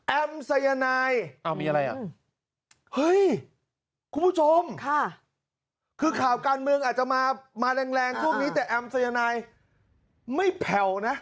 แอมสัยนายคุณผู้ชมคือข่าวการเมืองอาจจะมาแรงพวกนี้แต่แอมสัยนายไม่แผ่วนะ